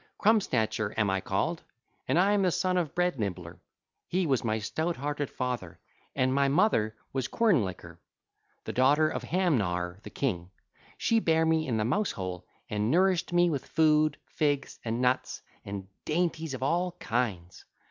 Crumb snatcher am I called, and I am the son of Bread nibbler—he was my stout hearted father—and my mother was Quern licker, the daughter of Ham gnawer the king: she bare me in the mouse hole and nourished me with food, figs and nuts and dainties of all kinds.